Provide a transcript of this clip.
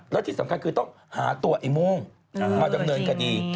และที่สำคัญคือต้องหาตัวไอ้โม่งมาดำเนินคดี